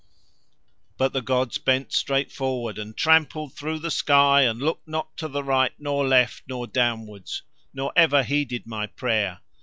But the gods bent straight forward, and trampled through the sky and looked not to the right nor left nor downwards, nor ever heeded my prayer.